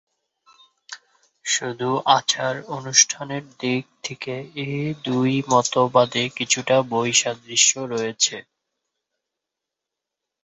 শুধু আচার-অনুষ্ঠানের দিক থেকে এ দুই মতবাদে কিছুটা বৈসাদৃশ্য রয়েছে।